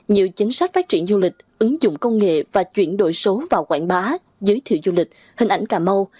nhiều chính sách phát triển du lịch ứng dụng công nghệ và chuyển đổi số vào quảng bá giới thiệu du lịch hình ảnh cà mau